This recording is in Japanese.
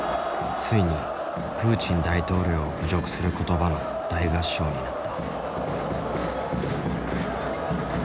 ついにプーチン大統領を侮辱する言葉の大合唱になった。